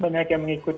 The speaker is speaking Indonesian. banyak yang mengikuti